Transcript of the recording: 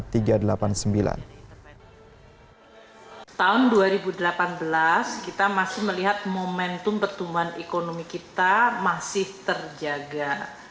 tahun dua ribu delapan belas kita masih melihat momentum pertumbuhan ekonomi kita masih terjaga